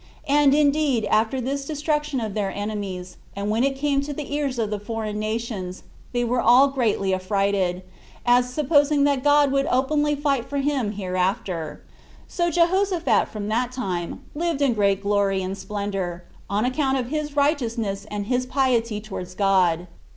And indeed, after this destruction of their enemies, and when it came to the ears of the foreign nations, they were all greatly affrighted, as supposing that God would openly fight for him hereafter. So Jehoshaphat from that time lived in great glory and splendor, on account of his righteousness and his piety towards God.